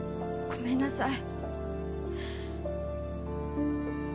ごめんなさい。